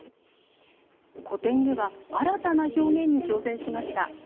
個展では新たな表現に挑戦しました。